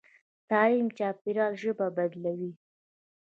تعلیم چاپېریال ژبه بدلوي.